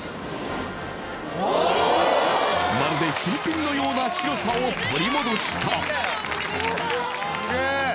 まるで新品のような白さを取り戻した。